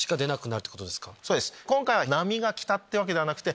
今回は波が来たってわけではなくて。